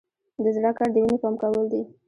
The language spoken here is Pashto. د زړه کار د وینې پمپ کول دي